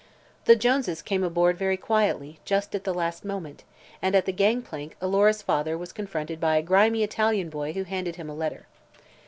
The Joneses came aboard very quietly just at the last moment and at the gang plank Alora's father was confronted by a grimy Italian boy who handed him a letter.